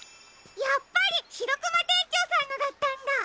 やっぱりシロクマ店長さんのだったんだ。